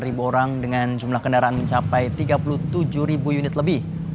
dari empat puluh delapan orang dengan jumlah kendaraan mencapai tiga puluh tujuh unit lebih